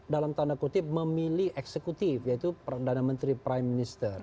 dalam tanda kutip memilih eksekutif yaitu perdana menteri prime minister